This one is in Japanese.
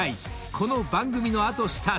この番組の後スタート！］